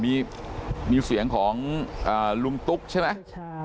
มีเสียงของลุงตุ๊กใช่ไหม